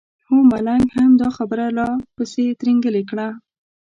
هو ملنګ هم دا خبره لا پسې ترینګلې کړه.